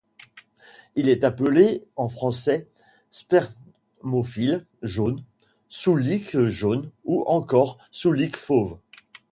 Il est appelé en français Spermophile jaune, Souslik jaune ou encore Souslik fauve.